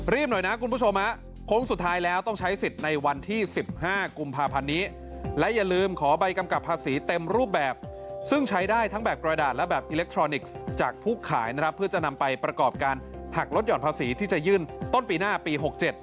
หน่อยนะคุณผู้ชมโค้งสุดท้ายแล้วต้องใช้สิทธิ์ในวันที่๑๕กุมภาพันธ์นี้และอย่าลืมขอใบกำกับภาษีเต็มรูปแบบซึ่งใช้ได้ทั้งแบบกระดาษและแบบอิเล็กทรอนิกส์จากผู้ขายนะครับเพื่อจะนำไปประกอบการหักลดหย่อนภาษีที่จะยื่นต้นปีหน้าปี๖๗